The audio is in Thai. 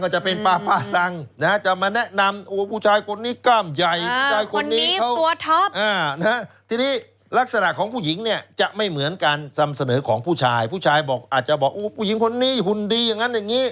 ก็จะมาเป็นป่าสั้ง